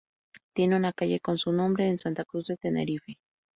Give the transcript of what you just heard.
Tiene una calle con su nombre en Santa Cruz de Tenerife.